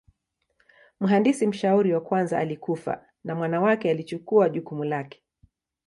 Mhandisi mshauri wa kwanza alikufa na mwana wake alichukua jukumu lake.